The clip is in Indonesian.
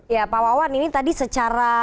ya pak wawan ini tadi secara